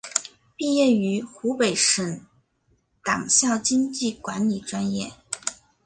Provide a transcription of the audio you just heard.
毕业于湖北省委党校经济管理专业。